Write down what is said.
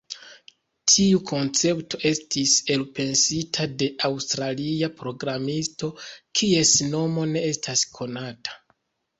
Tiu koncepto estis elpensita de aŭstralia programisto, kies nomo ne estas konata.